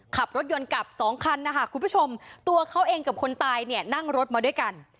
ขับรถยนต์กลับสองคันนะคะคุณผู้ชมตัวเขาเองกับคนตายเนี่ยนั่งรถมาด้วยกัน